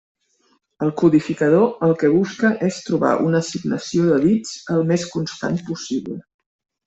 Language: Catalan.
El codificador el que busca és trobar una assignació de bits el més constant possible.